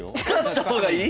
使った方がいい？